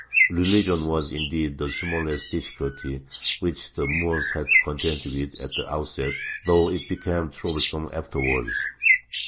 Religion was, indeed, the smallest difficulty which the Moors had to contend with at the outset, though it became troublesome afterwards.